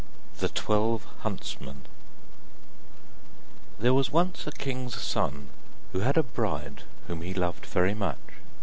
THE TWELVE HUNTSMEN There was once a king's son who had a bride whom he loved very much.